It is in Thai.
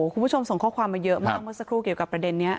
คุณผู้ชมส่งข้อความมาเยอะมากเมื่อสักครู่เกี่ยวกับประเด็นนี้